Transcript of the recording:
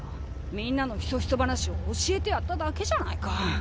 みんなのひそひそ話を教えてやっただけじゃないか。